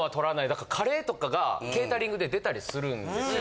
だからカレーとかがケータリングで出たりするんですよ。